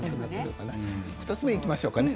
２つ目にいきましょうかね。